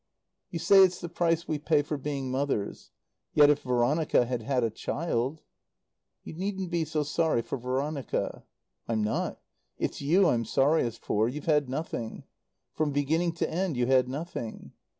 "You say it's the price we pay for being mothers. Yet if Veronica had had a child " "You needn't be so sorry for Veronica." "I'm not. It's you I'm sorriest for. You've had nothing. From beginning to end you had nothing.